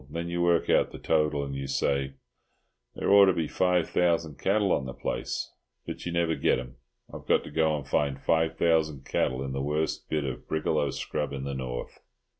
Then you work out the total, and you say, 'There ought to be five thousand cattle on the place,' but you never get 'em. I've got to go and find five thousand cattle in the worst bit of brigalow scrub in the north."